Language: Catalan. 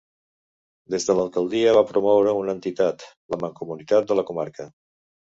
Des de l'alcaldia va promoure una entitat, la Mancomunitat de la comarca.